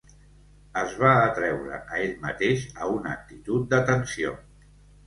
Es va atreure a ell mateix a una actitud d'atenció.